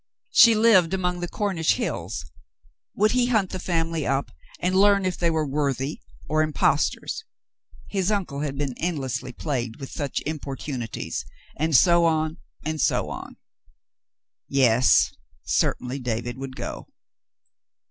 She lived among the Cornish hills. Would he hunt the family up and learn if they were worthy or impostors ? His uncle had been endlessly plagued with such importunities — and so on — and so on. Yes, certainly David would go.